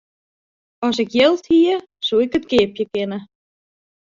As ik jild hie, soe ik it keapje kinne.